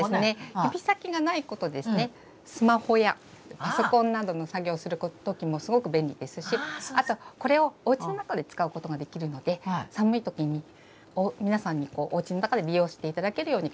指先がないことでスマホやパソコンなどの作業をするときもすごく便利ですしあとこれをおうちの中で使うことができるので寒いときに皆さんにおうちの中で利用していただけるように考えました。